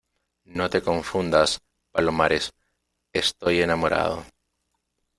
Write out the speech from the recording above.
no te confundas, Palomares. estoy enamorado